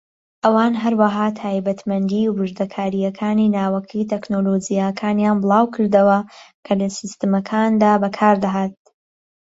ئەوان هەروەها تایبەتمەندی و وردەکارییەکانی ناوەکی تەکنەلۆجیاکانیان بڵاوکردەوە کە لە سیستەمەکاندا بەکاردەهات.